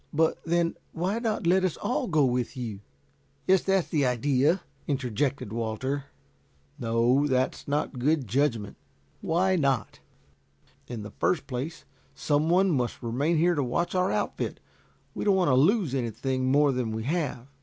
"But, then, why not let us all go with you?" "Yes, that's the idea," interjected Walter. "No, that is not good judgment." "Why not?" "In the first place some one must remain here to watch our outfit. We don't want to lose anything more than we have."